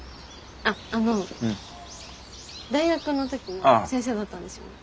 あっあの大学の時の先生だったんですよね。